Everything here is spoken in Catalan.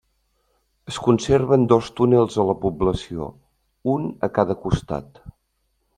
Es conserven dos túnels a la població, un a cada costat.